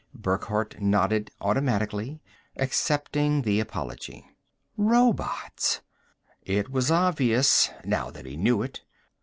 Burckhardt nodded automatically, accepting the apology. Robots. It was obvious, now that he knew it.